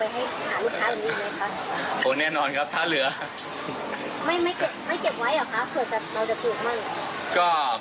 คุณพีชบอกไม่อยากให้เป็นข่าวดังเหมือนหวยโอนละเวง๓๐ใบจริงและก็รับลอตเตอรี่ไปแล้วด้วยนะครับ